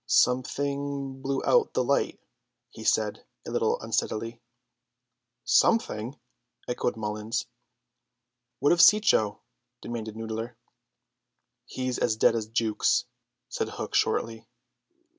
"Something blew out the light," he said a little unsteadily. "Something!" echoed Mullins. "What of Cecco?" demanded Noodler. "He's as dead as Jukes," said Hook shortly.